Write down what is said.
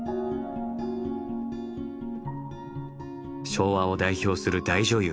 昭和を代表する大女優